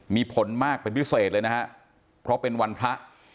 มีผลมากเป็นพิเศษเลยนะฮะเพราะเป็นวันพระ